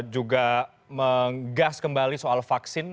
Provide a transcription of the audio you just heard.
juga menggas kembali soal vaksin